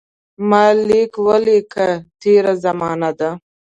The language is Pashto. ما لیک ولیکه تېره زمانه ده.